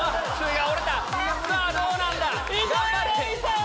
さぁどうなんだ？